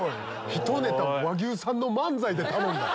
ひとネタ和牛さんの漫才で頼んだ。